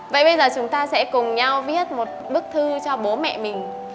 vậy bây giờ chúng ta sẽ cùng nhau viết một bức thư cho bố mẹ mình